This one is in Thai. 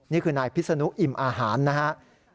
นี่คือนายพิศนุอิ่มอาหารนะครับ